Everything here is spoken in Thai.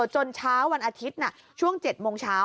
จนเช้าวันอาทิตย์ช่วง๗โมงเช้า